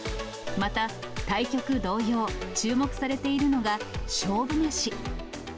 また、対局同様、注目されているのが、勝負メシ。